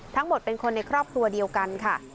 ทั้งหมดเป็นคนในครอบครัวเดียวกันค่ะ